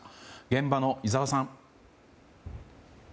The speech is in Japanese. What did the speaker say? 現場の井澤さん。